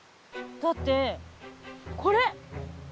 だってこれ。